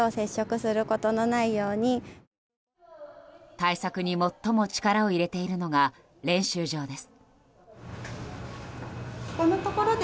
対策に最も力を入れているのが練習場です。